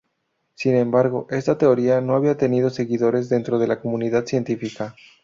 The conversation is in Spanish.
Sin embargo, esta teoría no ha tenido seguidores dentro de la comunidad científica.